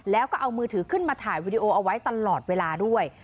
แล้วก็เอามือถือขึ้นมาถ่ายวีดีโอเอาไว้ตลอดเวลาด้วย